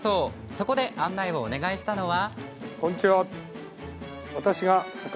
そこで案内をお願いしたのは。